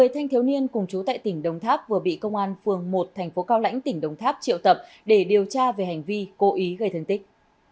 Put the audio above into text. một mươi thanh thiếu niên cùng chú tại tỉnh đồng tháp vừa bị công an phường một thành phố cao lãnh tỉnh đồng tháp triệu tập để điều tra về hành vi cố ý gây thương tích